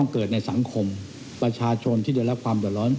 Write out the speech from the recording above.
ความเป็นธรรม